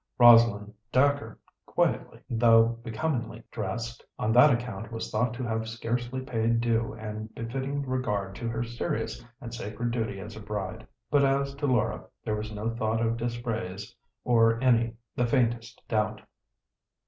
Rosalind Dacre quietly, though becomingly, dressed, on that account was thought to have scarcely paid due and befitting regard to her serious and sacred duty as a bride. But as to Laura, there was no thought of dispraise or any, the faintest, doubt.